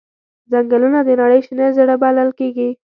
ځنګلونه د نړۍ شنه زړه بلل کېږي.